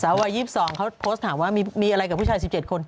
วัย๒๒เขาโพสต์ถามว่ามีอะไรกับผู้ชาย๑๗คน